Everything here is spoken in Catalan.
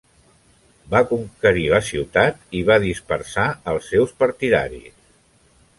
Va conquistar la ciutat i va dispersar els seus partidaris.